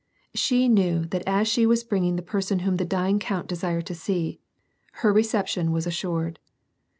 She knew that as she was bringing the person whom the dying count desired to see, her reception was assured.